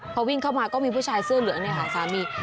พอวิ่งเข้ามาก็มีผู้ชายเสื้อเหลืองหาสามี